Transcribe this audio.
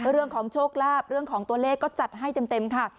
เรื่องของโชคลาภเรื่องของตัวเลขก็จัดให้เต็มค่ะ